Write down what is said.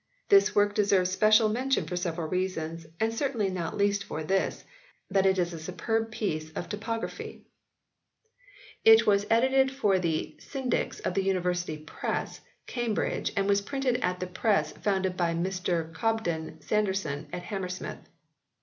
This work deserves special mention for several reasons, and certainly not least for this, that it is a superb piece of typography. It 112 HISTORY OF THE ENGLISH BIBLE [CH. was edited for the Syndics of the University Press, Cambridge, and was printed at the press founded by Mr Cobden Sanderson at Hammersmith.